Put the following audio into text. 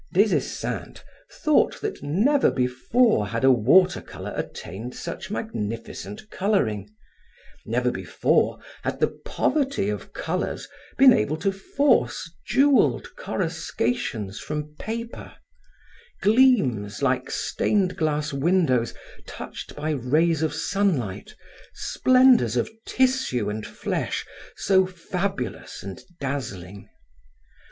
Des Esseintes thought that never before had a water color attained such magnificent coloring; never before had the poverty of colors been able to force jeweled corruscations from paper, gleams like stained glass windows touched by rays of sunlight, splendors of tissue and flesh so fabulous and dazzling.